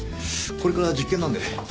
これから実験なんで。